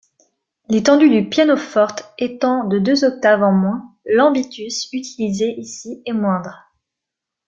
L'étendue du pianoforte étant de deux octaves en moins, l'ambitus utilisé ici est moindre.